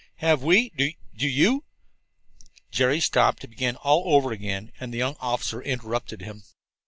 "Have we Do you " Jerry stopped to begin all over again, and the young officer interrupted him.